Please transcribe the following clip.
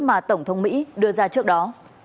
mà tổng thống mỹ đưa ra trước đó